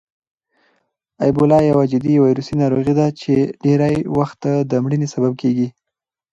اېبولا یوه جدي ویروسي ناروغي ده چې ډېری وخت د مړینې سبب کېږي.